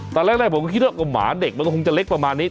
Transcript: ตอนแรกผมก็คิดว่าหมาเด็กมันก็คงจะเล็กประมาณนี้